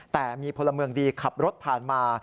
แต่มีพลเมืองดีขับรถผ่านมา